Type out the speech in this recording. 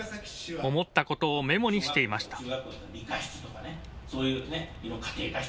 思ったことをメモにしていました。